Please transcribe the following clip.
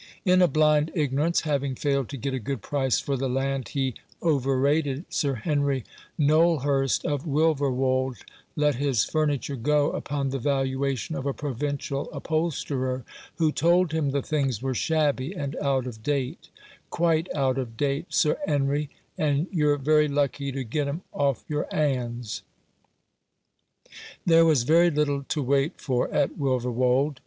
In a blind ignorance, having failed to get a good price for the land he overrated, Sir Henry Knowlhurst of Wilverwold let his furni ture go upon the valuation of a provincial up holsterer, who told him the things were shabby 286 For the Happiness of the Greatest Number. and out of date —" quite out of date, Sir 'Enry, and you're very lucky to get 'em off your 'ands." There was very little to wait for at Wilverwold.